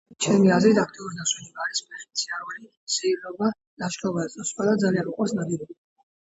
ჩემი აზრით აქტიური დასვენება არის ფეხით სიარული სეირნობა ლაშქრობაზე წასვლა და ძალიან მიყვარს ნადირობა